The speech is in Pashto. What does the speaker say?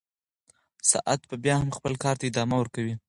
ساعت به بیا هم خپل کار ته ادامه ورکوي.